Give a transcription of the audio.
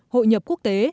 hội nhập quốc tế